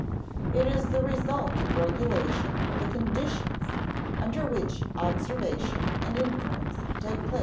It is the result of regulation of the conditions under which observation and inference take place.